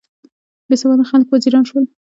بې سواده خلک وزیران شول او اشپزانو دیپلوماتۍ وکړه.